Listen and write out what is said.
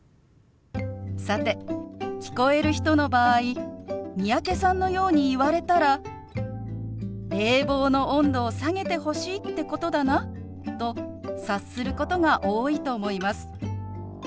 さて聞こえる人の場合三宅さんのように言われたら「冷房の温度を下げてほしいってことだな」と察することが多いと思います。